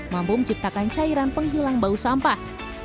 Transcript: mampu menciptakan cairan penghilang bau sampah